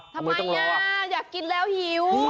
ทำไมอยากกินแล้วหิว